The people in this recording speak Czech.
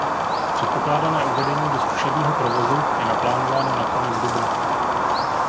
Předpokládané uvedení do zkušebního provozu je naplánováno na konec dubna.